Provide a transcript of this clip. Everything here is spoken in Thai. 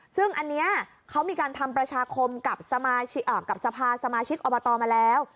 ซึ่งอันนี้เขามีการทำประชาคมกับสภาสมาชิกอบตมาแล้ว